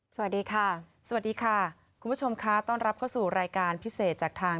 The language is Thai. สวัสดีค่ะสวัสดีค่ะคุณผู้ชมค่ะต้อนรับเข้าสู่รายการพิเศษจากทาง